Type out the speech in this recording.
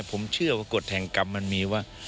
ผมเชื่อว่ากฎแห่งกรรมมันมีว่า